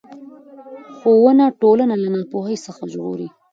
ښوونه ټولنه له ناپوهۍ څخه ژغوري